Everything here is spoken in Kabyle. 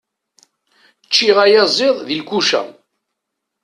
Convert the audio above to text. Ččiɣ ayaziḍ di lkuca.